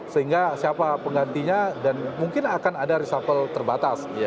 sehingga siapa penggantinya dan mungkin akan ada reshuffle terbatas